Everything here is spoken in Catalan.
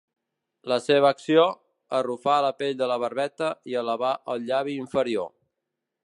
La seva acció: arrufar la pell de la barbeta i elevar el llavi inferior.